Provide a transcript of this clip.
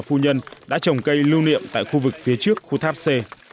phu nhân đã trồng cây lưu niệm tại khu vực phía trước khu tháp c